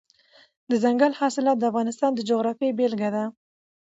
دځنګل حاصلات د افغانستان د جغرافیې بېلګه ده.